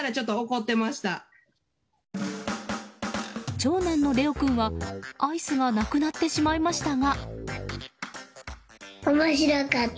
長男の怜央君はアイスがなくなってしまいましたが。